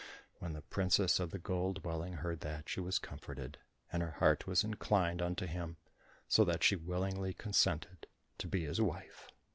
When the princess of the Golden Dwelling heard that, she was comforted, and her heart was inclined unto him, so that she willingly consented to be his wife.